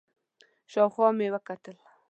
شاوخوا مې وکتل،